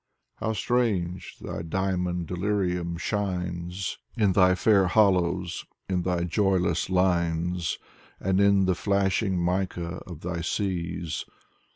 How strange thy diamond delirium shines In thy fair hollows, in thy joyless lines. And in the flashing mica of thy seas.